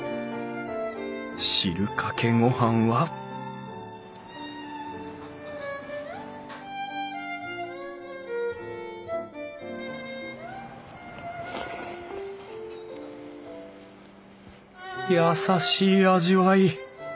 汁かけ御飯は優しい味わい。